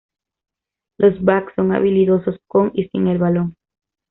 Los backs son habilidosos con y sin el balón.